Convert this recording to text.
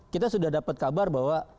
kita sudah dapat kabar bahwa